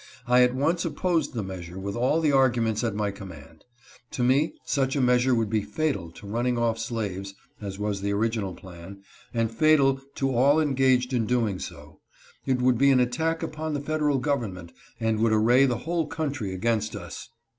I at once opposed the measure with all the arguments at my com mand. To me such a measure would be fatal to running off slaves (as was the original plan), and fatal to all en gaged in doing so. It would be an attack upon the federal government, and would array the whole country against us.